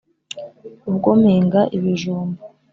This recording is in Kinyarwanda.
Ubwo mpinga ibijumba